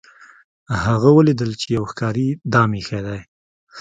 هغه ولیدل چې یو ښکاري دام ایښی دی.